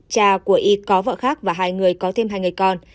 cha của y có vợ khác và hai người có thêm hai người con